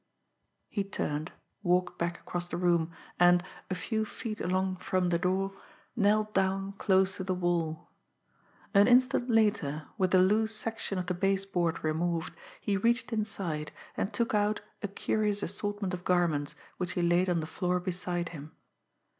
He turned, walked back across the room, and, a few feet along from the door, knelt down close to the wall. An instant later, with the loose section of the base board removed, he reached inside, and took out a curious assortment of garments, which he laid on the floor beside him.